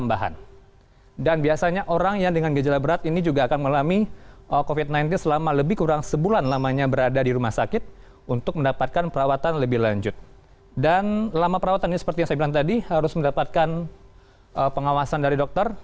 bagaimana menganalisis gejala keluarga atau kerabat yang terjangkit virus covid sembilan belas